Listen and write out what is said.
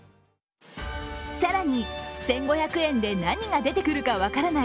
更に１５００円で何が出てくるか分からない